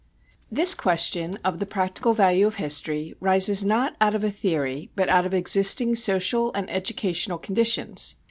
This question of the practical value of history rises not out of a theory but out of existing social and educational conditions.